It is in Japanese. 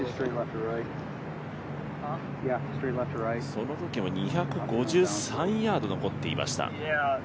そのときも２５３ヤード残っていました。